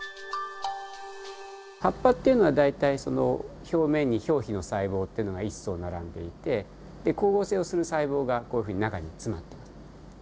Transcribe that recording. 葉っぱっていうのは大体表面に表皮の細胞っていうのが一層並んでいて光合成をする細胞がこういうふうに中に詰まってます。